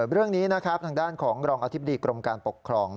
เรื่องนี้นะครับทางด้านของรองอธิบดีกรมการปกครอง